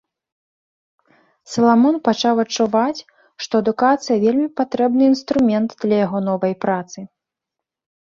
Саламон пачаў адчуваць, што адукацыя вельмі патрэбны інструмент для яго новай працы.